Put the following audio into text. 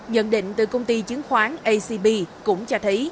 nhận định từ công ty chứng khoán acb cũng cho thấy